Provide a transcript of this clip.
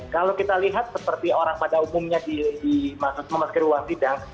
kalau kita lihat seperti orang pada umumnya di masuk ke ruang sidang